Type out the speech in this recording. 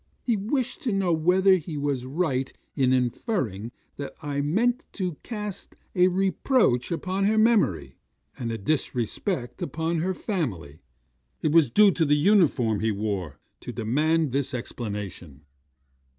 He wished to know whether he was right in inferring that I meant to cast a reproach upon her memory, and a disrespect upon her family. It was due to the uniform he wore, to demand this explanation.